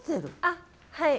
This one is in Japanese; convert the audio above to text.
あっはい。